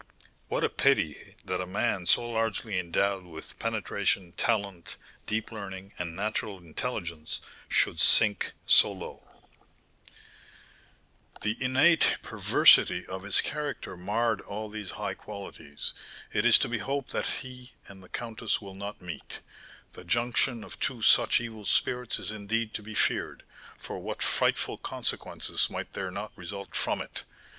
"What a pity that a man so largely endowed with penetration, talent, deep learning, and natural intelligence, should sink so low!" "The innate perversity of his character marred all these high qualities. It is to be hoped he and the countess will not meet; the junction of two such evil spirits is indeed to be feared, for what frightful consequences might there not result from it!